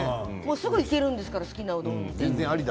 すぐに行けるんですから好きなうどん店に。